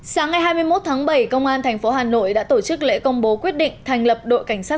sáng ngày hai mươi một tháng bảy công an thành phố hà nội đã tổ chức lễ công bố quyết định thành lập đội cảnh sát